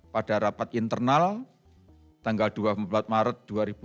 pada rapat internal tanggal dua puluh empat maret dua ribu dua puluh